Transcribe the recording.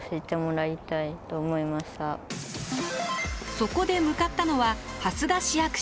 そこで向かったのは蓮田市役所。